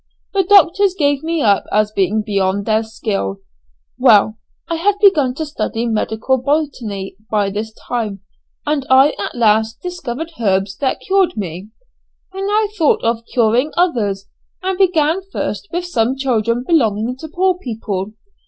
The doctors gave me up as being beyond their skill. Well, I had begun to study medical botany by this time, and I at last discovered herbs that cured me. I now thought of curing others, and began first with some children belonging to poor people.